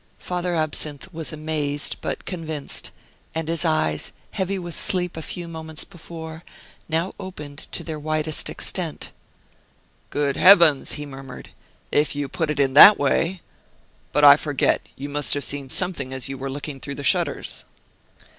Father Absinthe was amazed but convinced: and his eyes, heavy with sleep a few moments before, now opened to their widest extent. "Good heavens!" he murmured, "if you put it in that way! But I forget; you must have seen something as you were looking through the shutters."